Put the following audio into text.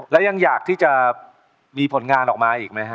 แล้วยังอยากที่จะมีผลงานออกมาอีกไหมฮะ